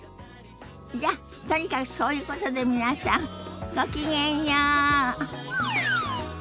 じゃとにかくそういうことで皆さんごきげんよう。